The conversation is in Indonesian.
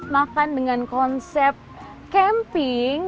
makan dengan konsep camping